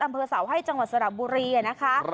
อำเภอเสาให้จังหวัดสระบุรีนะคะ